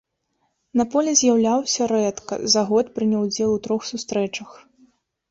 На полі з'яўляўся рэдка, за год прыняў удзел у трох сустрэчах.